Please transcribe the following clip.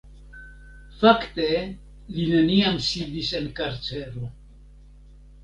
Fakte li neniam sidis en karcero.